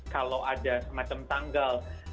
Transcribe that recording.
kalau ada semacam tanggal